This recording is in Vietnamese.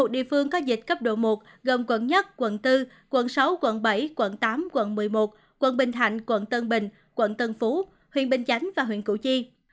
một địa phương có dịch cấp độ một gồm quận một quận bốn quận sáu quận bảy quận tám quận một mươi một quận bình thạnh quận tân bình quận tân phú huyện bình chánh và huyện củ chi